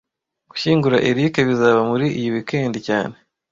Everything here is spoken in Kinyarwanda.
Gushyingura Eric bizaba muri iyi weekend cyane